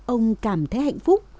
ông cảm thấy hạnh phúc